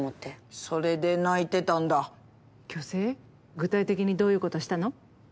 具体的にどういうことしたの？